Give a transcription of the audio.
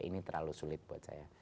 ini terlalu sulit buat saya